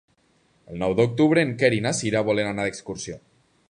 El nou d'octubre en Quer i na Cira volen anar d'excursió.